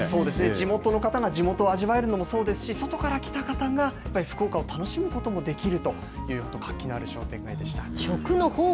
地元の方が地元を味わえるのもそうですし、外から来た方がやっぱり福岡を楽しむこともできるという、活気のある商店街でした。